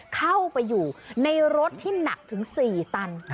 เข้าไปอยู่ในรถที่หนักถึง๔ตัน